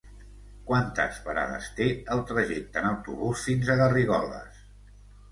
Quantes parades té el trajecte en autobús fins a Garrigoles?